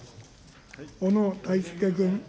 小野泰輔君。